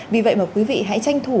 vì vậy mà quý vị hãy tranh thủ